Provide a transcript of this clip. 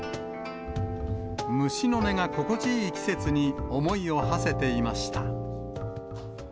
虫の音が心地いい季節に思いをはせていました。